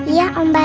iya om baik